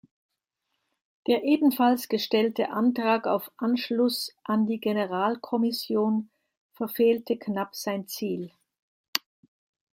Der ebenfalls gestellte Antrag auf Anschluss an die Generalkommission verfehlte knapp sein Ziel.